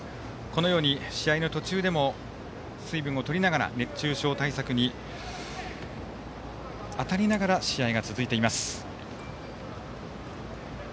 このように試合の途中でも水分をとりながら熱中症対策にあたりながら試合が続いています。